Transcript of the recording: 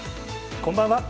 こんばんは。